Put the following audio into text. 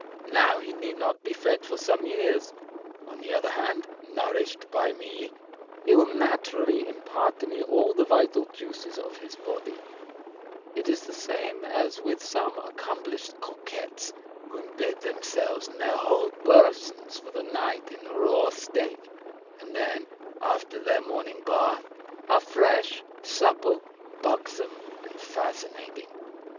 Now he need not be fed for some years. On the other hand, nourished by me, he will naturally impart to me all the vital juices of his body; it is the same as with some accomplished coquettes who embed themselves and their whole persons for the night in raw steak, and then, after their morning bath, are fresh, supple, buxom and fascinating.